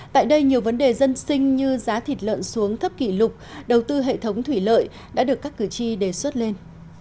tại đây nhiều vấn đề dân sinh như giá thịt lợn xuống thấp kỷ lục đầu tư hệ thống thủy lợi đã được các cử tri đề xuất lên